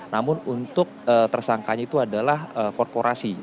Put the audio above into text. namun untuk tersangkanya itu adalah korporasi